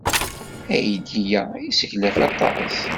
Aydi-a yesseglaf aṭas.